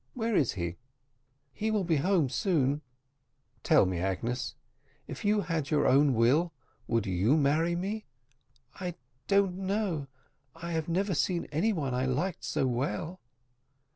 Where is he?" "He will soon be at home." "Tell me, Agnes, if you had your own will, would you marry me?" "I don't know; I have never seen any one I liked so well."